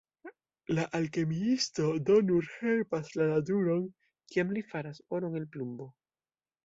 La alkemiisto do nur helpas la naturon, kiam li faras oron el plumbo.